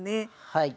はい。